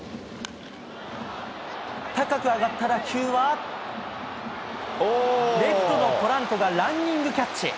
高く上がった打球は、レフトのポランコが、ランニングキャッチ。